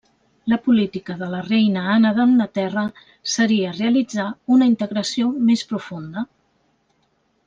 La política de la reina Anna d'Anglaterra seria realitzar una integració més profunda.